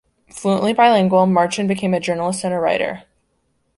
Fluently bilingual, Marchand became a journalist and writer.